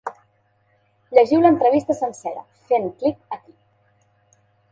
Llegiu l’entrevista sencera, fent clic aquí.